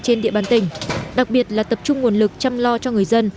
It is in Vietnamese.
trên địa bàn tỉnh đặc biệt là tập trung nguồn lực chăm lo cho người dân